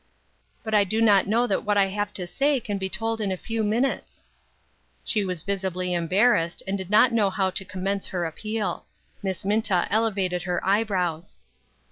" But I do not know that what I have to say can be told in a few minutes." She was visibly embarrassed, and did not know how to commence her appeal. Miss Minta ele vated her eyebrows.